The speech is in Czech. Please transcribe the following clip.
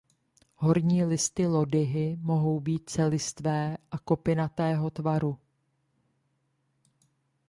Horní listy lodyhy mohou být celistvé a kopinatého tvaru.